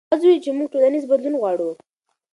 ښځو وویل چې موږ ټولنیز بدلون غواړو.